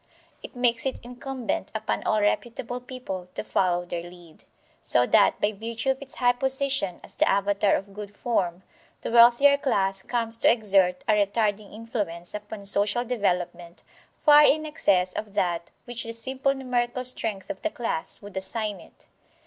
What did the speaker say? It makes it incumbent upon all reputable people to follow their lead. So that, by virtue of its high position as the avatar of good form, the wealthier class comes to exert a retarding influence upon social development far in excess of that which the simple numerical strength of the class would assign it.